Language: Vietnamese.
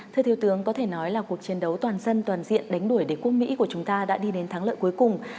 thưa thiếu tướng có thể nói là cuộc chiến đấu toàn dân toàn diện đánh đuổi đế quốc mỹ của chúng ta đã đi đến thắng lợi cuối cùng